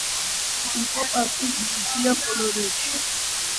იყო პაპის ნუნცია პოლონეთში.